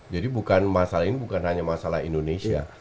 jadi masalah ini bukan hanya masalah indonesia